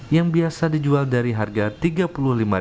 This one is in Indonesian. yang biasa dijual dari harga rp tiga puluh lima